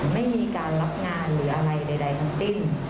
ไม่มีการรับงานหรืออะไรใดทั้งสิ้น